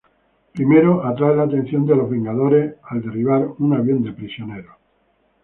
Primero, atrae la atención de los Vengadores al derribar un avión de prisioneros.